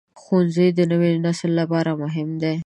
ښوونځی د نوي نسل لپاره مهم دی.